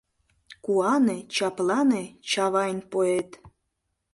Куане, чаплане, Чавайн поэт!